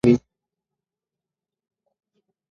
که ښوونه عصري وي نو زده کوونکي لیواله وي.